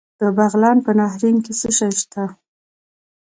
د بغلان په نهرین کې څه شی شته؟